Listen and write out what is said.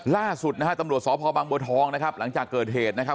ล่าสุดนะฮะตำรวจสพบังบัวทองนะครับหลังจากเกิดเหตุนะครับ